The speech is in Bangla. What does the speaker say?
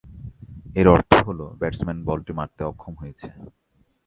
এর অর্থ হল ব্যাটসম্যান বলটি মারতে অক্ষম হয়েছে।